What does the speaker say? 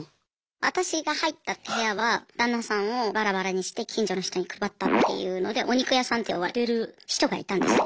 私が入った部屋は旦那さんをバラバラにして近所の人に配ったっていうのでお肉屋さんって呼ばれてる人がいたんですね。